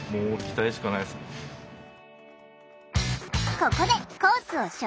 ここでコースを紹介。